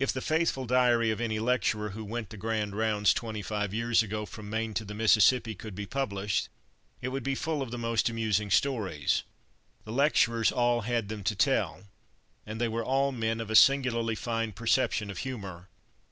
If the faithful diary of any lecturer who went the grand rounds twenty five years ago, from Maine to the Mississippi, could be published, it would be full of the most amusing stories. The lecturers all had them to tell, and they were all men of a singularly fine perception of humor.